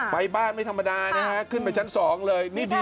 ไปบ้านไม่ธรรมดานะฮะขึ้นไปชั้น๒เลย